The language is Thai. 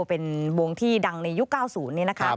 เป็นวงที่ดังในยุค๙๐นี่นะคะ